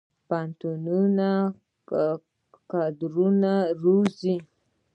پوهنتونونه کادرونه روزي